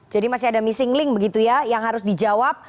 jadi masih ada missing link begitu ya yang harus dijawab